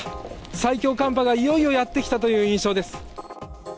最強寒波がいよいよやってきたという印象です。